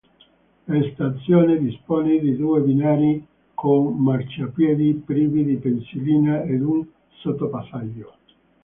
La stazione dispone di due binari con marciapiedi privi di pensilina ed un sottopassaggio.